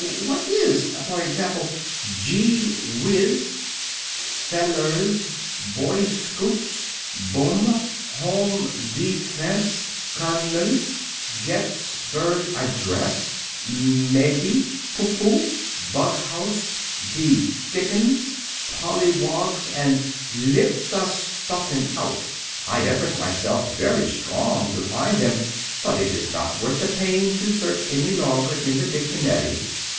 What is, for example, gee whiz, felers, boy scouts, bum, home defence, kernel, getysberg adress, mebbe, pooh pooh, bug house, the dickens, pollywogs, and lick the stuffin out? I effort myself very strong to find them, but it is not worth the pain to search any longer in the dictionary.